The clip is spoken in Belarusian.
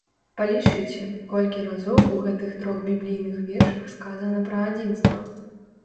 Палічыце, колькі разоў у гэтых трох біблійных вершах сказана пра адзінства!